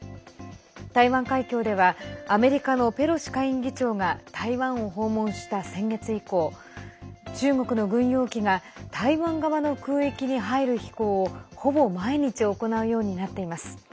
台湾海峡ではアメリカのペロシ下院議長が台湾を訪問した先月以降中国の軍用機が台湾側の空域に入る飛行をほぼ毎日行うようになっています。